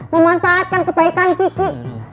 memanfaatkan kebaikan gigi